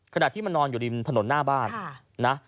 ขณะที่มันนอนอยู่ริมถนนหน้าบ้านนะ